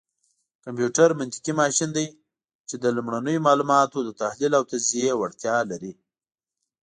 کمپيوټر منطقي ماشين دی، چې د لومړنيو معلوماتو دتحليل او تجزيې وړتيا لري.